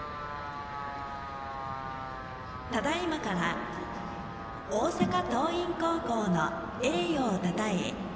ただいまから、大阪桐蔭高校の栄誉をたたえ